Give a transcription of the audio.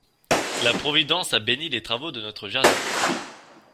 La providence a béni les travaux de notre jardinier.